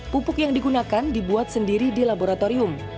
pupuk yang digunakan dibuat sendiri di laboratorium